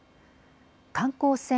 観光船